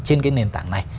trên cái nền tảng này